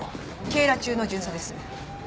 警ら中の巡査です。